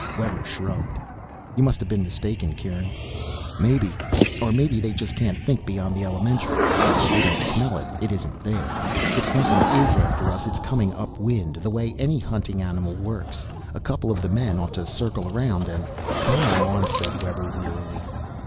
Webber shrugged. "You must have been mistaken, Kieran." "Maybe. Or maybe they just can't think beyond the elementary. If they don't smell it, it isn't there. If something is after us it's coming up wind, the way any hunting animal works. A couple of the men ought to circle around and " "Come on," said Webber wearily.